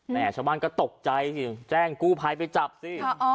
ชาวบ้านก็ตกใจสิแจ้งกู้ภัยไปจับสิ